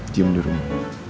diam di rumah